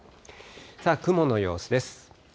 さあ、雲の様子です。